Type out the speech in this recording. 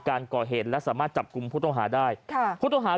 การก่อเหตุและสามารถจับกลุมพุทธโอหาได้ค่ะพุทธโอหา